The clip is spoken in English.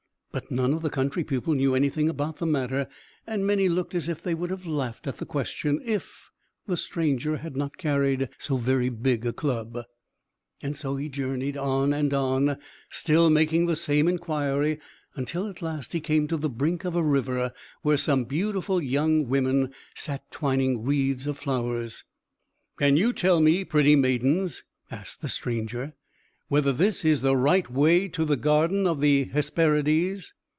But none of the country people knew anything about the matter, and many looked as if they would have laughed at the question, if the stranger had not carried so very big a club. So he journeyed on and on, still making the same inquiry, until, at last, he came to the brink of a river where some beautiful young women sat twining wreaths of flowers. "Can you tell me, pretty maidens," asked the stranger, "whether this is the right way to the garden of the Hesperides?"